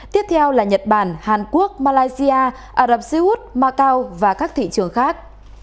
tiếp theo là nhật bản hàn quốc malaysia ả rập xê út macau và các thị trường khác